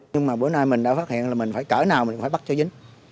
nhưng mà bữa nay mình đã phát hiện là mình phải cỡ nào mình cũng phải bắt cho dính